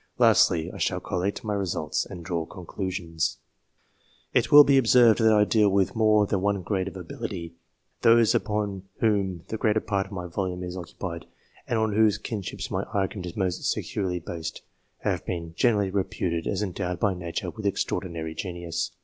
Lastly, I shall collate my results, and draw conclusions^ It will be observed that I deal with more than one grade of ability. Those upon whom the greater part of my volume is occupied, and on whose kinships my argu ment is most securely based, have been generally reputed as endowed by nature with extraordinary genius.